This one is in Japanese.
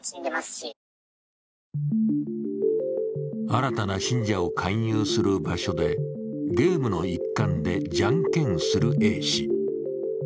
新たな信者を勧誘する場所でゲームの一環でじゃんけんするＡ氏。